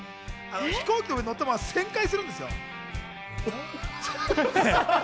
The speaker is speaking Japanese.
飛行機の上に乗ったまま旋回するんですよ。